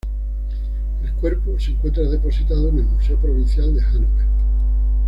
El cuerpo se encuentra depositado en el Museo Provincial de Hannover.